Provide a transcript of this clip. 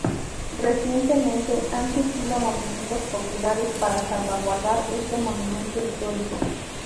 Recientemente han surgido movimientos populares para salvaguardar este monumento histórico.